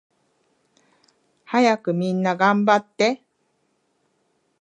はやくみんながんばって